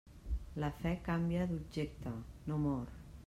La fe canvia d'objecte, no mor.